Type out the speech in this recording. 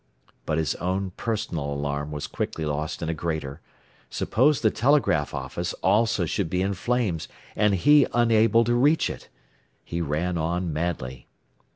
But his own personal alarm was quickly lost in a greater. Suppose the telegraph office also should be in flames, and he unable to reach it? He ran on madly.